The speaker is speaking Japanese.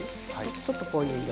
ちょっとこういう色。